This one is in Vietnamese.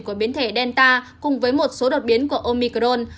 của biến thể delta cùng với một số đột biến của omicron